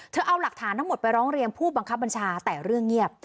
เอาหลักฐานทั้งหมดไปร้องเรียนผู้บังคับบัญชาแต่เรื่องเงียบ